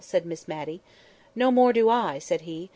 said Miss Matty. "No more do I," said he.